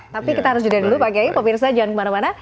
tapi kita harus judah dulu pak gai pemirsa jangan kemana mana